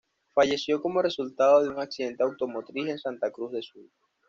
Falleció como resultado de un accidente automotriz en Santa Cruz do Sul.